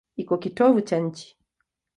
Iko kitovu cha nchi.